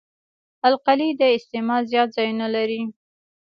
القلي د استعمال زیات ځایونه لري.